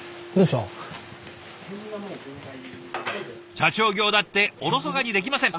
社長業だっておろそかにできません。